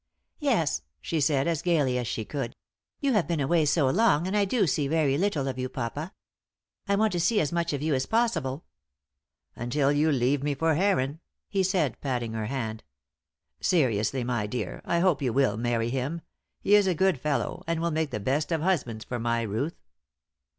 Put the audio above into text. "Yes," she said, as gaily as she could. "You have been away so long, and I do see very little of you, papa. I want to see as much of you as possible." "Until you leave me for Heron," he said, patting her hand. "Seriously, my dear, I hope you will marry him. He is a good fellow, and will make the best of husbands for my Ruth."